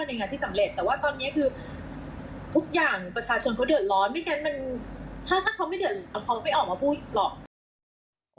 ไม่แค่ถ้าเขาไม่เดือดเอาเขาไปออกมาพูดหรอก